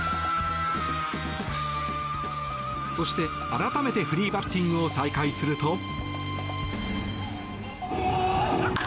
そして、改めてフリーバッティングを再開すると。